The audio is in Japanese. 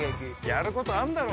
やることあんだろ？